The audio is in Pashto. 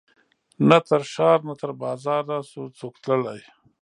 نه تر ښار نه تر بازاره سو څوک تللای